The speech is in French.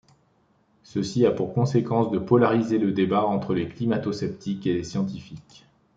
Ceci a pour conséquence de polariser le débat entre les climatosceptiques et les scientifiques.